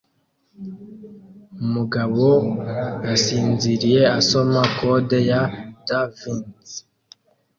Umugabo yasinziriye asoma Code ya Da Vinci